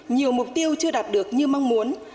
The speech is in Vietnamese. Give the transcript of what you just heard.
nhiều mục tiêu chưa đạt được như mong muốn